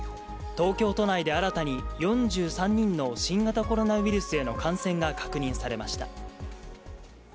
東京都内で新たに４３人の新型コロナウイルスへの感染が確認されました。